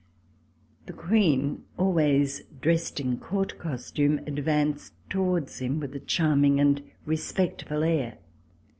The Queen, always dressed In court costume, advanced towards him with a charming and respectful air.